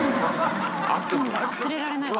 忘れられないわ。